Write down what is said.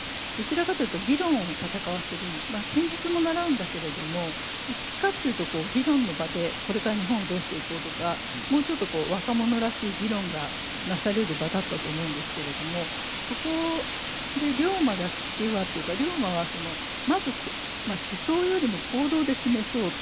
まあ剣術も習うんだけれどもどっちかっていうとこう議論の場でこれから日本をどうしていこうとかもうちょっとこう若者らしい議論がなされる場だったと思うんですけれどもそこで竜馬だけはというか竜馬はまず思想よりも行動で示そうという動きをしていくんですね。